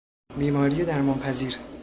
بیماری درمان پذیر